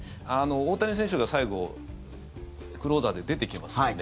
大谷選手が最後クローザーで出てきますよね。